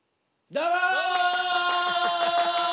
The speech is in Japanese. どうも！